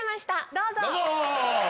どうぞ！